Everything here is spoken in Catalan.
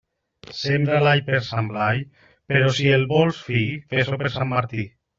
Sembra l'all per Sant Blai, però si el vols fi, fes-ho per Sant Martí.